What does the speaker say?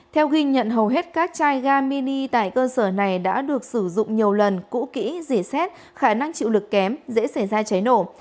theo ghi nhận hầu hết các chai ga mini tại cơ sở này đã được sử dụng nhiều lần cũ kỹ dỉ xét khả năng chịu lực kém dễ xảy ra cháy nổ